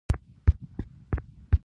د کوټو په دیوالونو باندې ځوړند ساعتونه